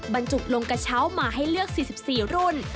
บรรจุลงกระเช้ามาให้เลือก๔๔รุ่น